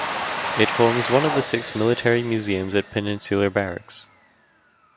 It forms one of the six military museums at Peninsular Barracks.